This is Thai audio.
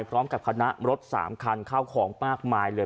พร้อมกับคณะรถ๓คันเข้าของมากมายเลย